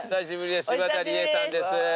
柴田理恵さんです。